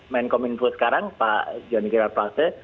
menkominfo sekarang pak joni gerard plaza